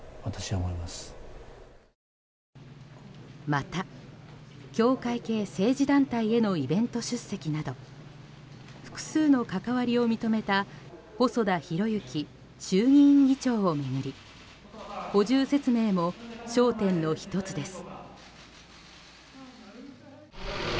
また、教会系政治団体へのイベント出席など複数の関わりを認めた細田博之衆議院議長を巡り補充説明も焦点の１つです。